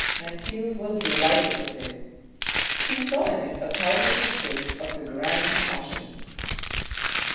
Mathilde was delighted with it. She saw in it a palpable proof of the grand passion.